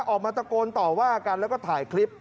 ออกมาตะโกนต่อว่ากันแล้วก็ถ่ายคลิป